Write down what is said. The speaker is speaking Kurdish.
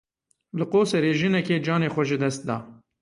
Li Qoserê jinekê canê xwe ji dest da.